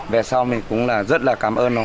về sau mình cũng rất là cảm ơn nó